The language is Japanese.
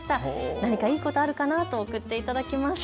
何かいいことあるかなと送っていただきました。